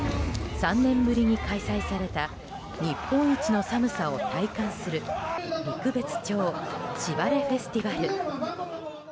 ３年ぶりに開催された日本一の寒さを体感する陸別町しばれフェスティバル。